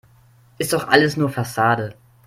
Ist doch alles nur Fassade.